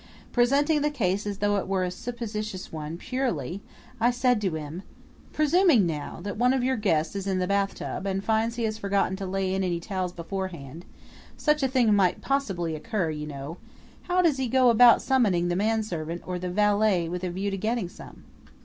Presenting the case as though it were a supposititious one purely, I said to him: "Presuming now that one of your guests is in a bathtub and finds he has forgotten to lay in any towels beforehand such a thing might possibly occur, you know how does he go about summoning the man servant or the valet with a view to getting some?"